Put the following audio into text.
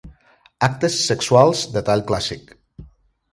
Actes sexuals de tall clàssic.